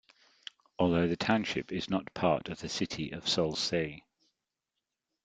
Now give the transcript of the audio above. Although the township is not part of the city of Sault Ste.